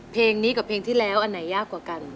เพลงนี้กับเพลงที่แล้วอันไหนยากกว่ากัน